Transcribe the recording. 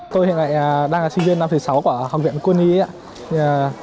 tôi hiện nay đang là sinh viên năm sáu của học viện quân y